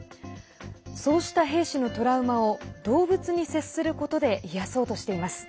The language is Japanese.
そうした兵士のトラウマを動物に接することで癒やそうとしています。